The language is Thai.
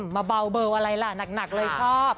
มาเบาเบอร์อะไรล่ะหนักเลยชอบ